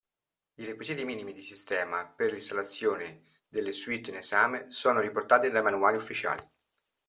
I requisiti minimi di sistema per l'installazione delle suite in esame sono riportati dai manuali ufficiali.